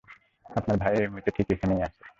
আপনার ভাই এ মুহূর্তে ঠিক এখানেই আছেন।